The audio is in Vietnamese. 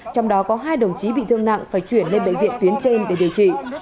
trong đó có hai đồng chí bị thương nặng phải chuyển lên bệnh viện tuyến trên để điều trị